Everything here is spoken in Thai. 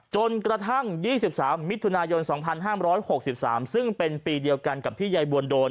จนกระทั่ง๒๓มิถุนายน๒๕๖๓ซึ่งเป็นปีเดียวกันกับที่ยายบวนโดน